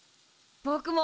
ぼくも。